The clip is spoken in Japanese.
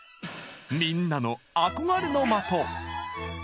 みんなの憧れの的！